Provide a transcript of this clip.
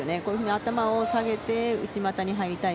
頭を下げて、内股に入りたい。